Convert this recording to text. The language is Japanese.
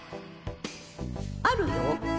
あるよ。